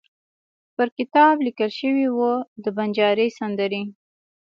پر کتاب لیکل شوي وو: د بنجاري سندرې.